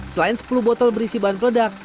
selain sepuluh botol berisi bahan peledak